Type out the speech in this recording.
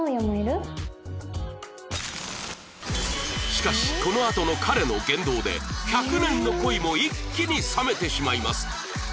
しかしこのあとの彼の言動で１００年の恋も一気に冷めてしまいます